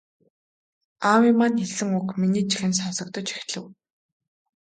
Аавын маань хэлсэн үг миний чихэнд сонсогдож эхлэв.